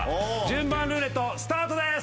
順番ルーレットスタートです！